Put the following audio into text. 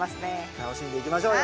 楽しんでいきましょうよ。